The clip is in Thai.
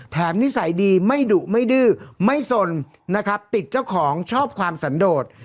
นิสัยดีไม่ดุไม่ดื้อไม่สนนะครับติดเจ้าของชอบความสันโดด